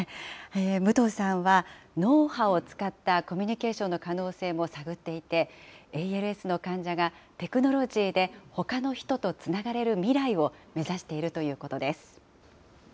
武藤さんは脳波を使ったコミュニケーションの可能性も探っていて、ＡＬＳの患者がテクノロジーでほかの人とつながれる未来を目指しているということです。